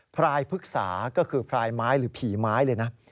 พรายภึกษาก็คือพรายไม้หรือผีไม้เลยนะ